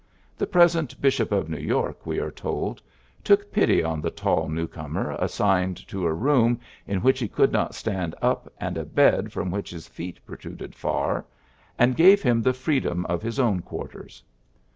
The present Bishop of New York, we are told, took pity on the tall new comer assigned to a room in which he could not stand up and a bed from which his feet protruded far, and gave him the freedom of his own quarters.